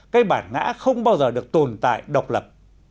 cái bản ngã không bao giờ được tồn tại độc lập